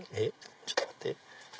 ちょっと待って。